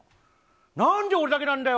なんで俺だけなんだよ。